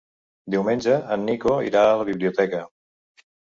Diumenge en Nico irà a la biblioteca.